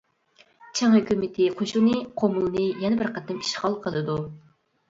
چىڭ ھۆكۈمىتى قوشۇنى قۇمۇلنى يەنە بىر قېتىم ئىشغال قىلىدۇ.